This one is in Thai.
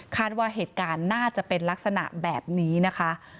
ว่าเหตุการณ์น่าจะเป็นลักษณะแบบนี้นะคะ